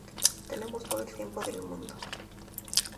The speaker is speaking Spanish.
Tenemos todo el tiempo del mundo.